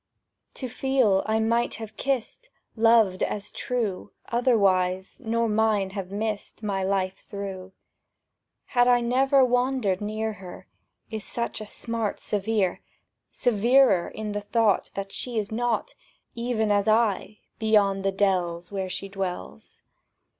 To feel I might have kissed— Loved as true— Otherwhere, nor Mine have missed My life through. Had I never wandered near her, Is a smart severe—severer In the thought that she is nought, Even as I, beyond the dells Where she dwells.